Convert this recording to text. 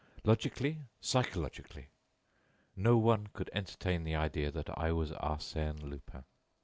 Logically, psychologically, no once could entertain the idea that I was Arsène Lupin."